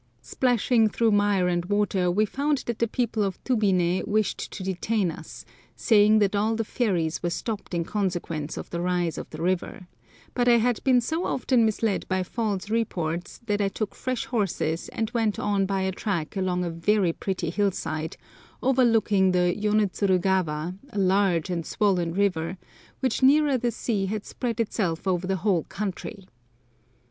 Splashing through mire and water we found that the people of Tubiné wished to detain us, saying that all the ferries were stopped in consequence of the rise in the rivers; but I had been so often misled by false reports that I took fresh horses and went on by a track along a very pretty hillside, overlooking the Yonetsurugawa, a large and swollen river, which nearer the sea had spread itself over the whole country.